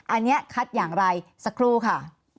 อันนี้คัดอย่างไรสักครู่ค่ะ